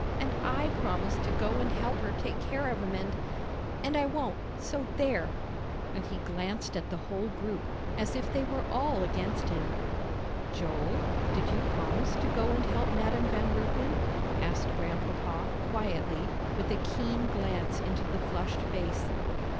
And I promised to go and help her take care of 'em, and, and I won't, so there!" and he glanced at the whole group, as if they were all against him. "Joel, did you promise to go and help Madam Van Ruypen?" asked Grandpapa, quietly, with a keen glance into the flushed face.